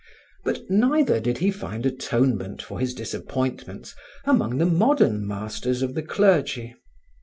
But neither did he find atonement for his disappointments among the modern masters of the clergy.